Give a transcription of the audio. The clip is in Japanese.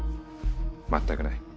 全くない。